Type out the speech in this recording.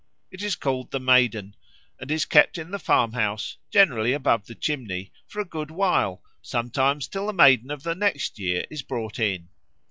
It is called the Maiden, and is kept in the farmhouse, generally above the chimney, for a good while, sometimes till the Maiden of the next year is brought in.